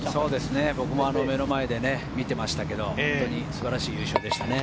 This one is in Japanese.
僕も目の前で見てましたけど、本当に素晴らしい優勝でした。